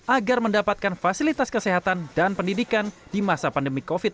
agar mendapatkan fasilitas kesehatan dan pendidikan di masa pandemi covid sembilan belas